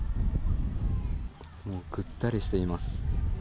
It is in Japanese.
もう、ぐったりしています。